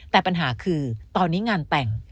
แต่ปัญหาคือตอนนี้งานแต่ง